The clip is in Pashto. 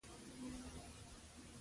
ده به ویل په هر تار پورې ملایکې زنګېږي.